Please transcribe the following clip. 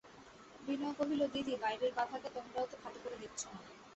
বিনয় কহিল, দিদি, বাইরের বাধাকে তোমরাও তো খাটো করে দেখছ না!